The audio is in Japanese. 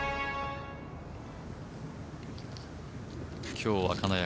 今日は金谷